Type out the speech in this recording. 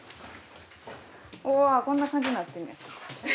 うわぁこんな感じになってんねや。